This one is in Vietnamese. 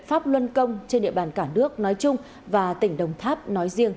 pháp luân công trên địa bàn cả nước nói chung và tỉnh đồng tháp nói riêng